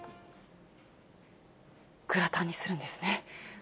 グラタンにするんですね。